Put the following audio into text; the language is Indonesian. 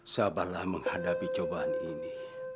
sabarlah menghadapi cobaan ini